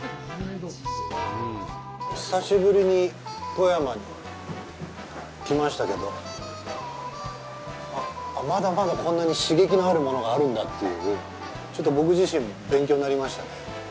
久しぶりに富山に来ましたけど、まだまだこんなに刺激のあるものがあるんだという、ちょっと僕自身も勉強になりましたね。